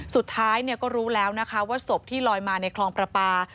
สุดท้ายก็รู้แล้วนะคะว่าศพที่ลอยมาในคลองประปา